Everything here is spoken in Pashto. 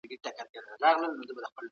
د فکري ملکیت حق هم باید خوندي وي.